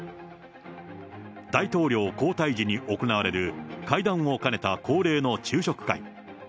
大統領交代時に行われる、会談を兼ねた恒例の昼食会。